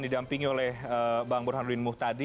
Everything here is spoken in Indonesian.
didampingi oleh bang burhanuddin muh tadi